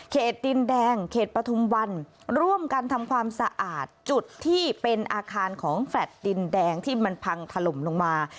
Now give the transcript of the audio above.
ดินแดงเขตปฐุมวันร่วมกันทำความสะอาดจุดที่เป็นอาคารของแฟลต์ดินแดงที่มันพังถล่มลงมา